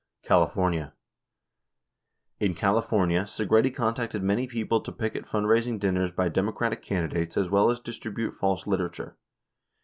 California: In California, Segretti contacted many people to picket fundraising dinners by Democratic candidates as well as distribute false literature.